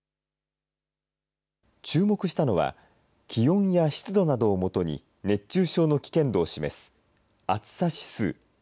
注目したのは、気温や湿度などを基に熱中症の危険度を示す、暑さ指数。